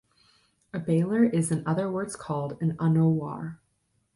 A bailer is in other words called an "Anouar".